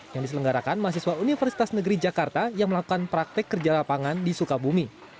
yang diselenggarakan mahasiswa universitas negeri jakarta yang melakukan praktek kerja lapangan di sukabumi